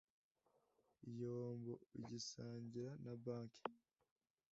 igihombo ugisangira na banki